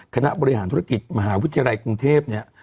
คณะบริหารธุรกิจมหาวิทยาลัยกรุงเทพเนี่ย